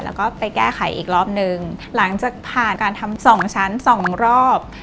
แล้วก็ไปแก้ไขอีกรอบนึงหลังจากผ่านการทำสองชั้นสองรอบ